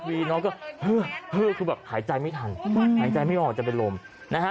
น้องก็ฮือคือแบบหายใจไม่ทันหายใจไม่ออกจะเป็นลมนะฮะ